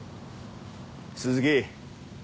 鈴木。